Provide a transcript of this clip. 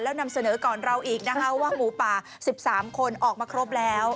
แล้วนำเสนอก่อนเราอีกนะคะว่าหมูป่า๑๓คนออกมาครบแล้ว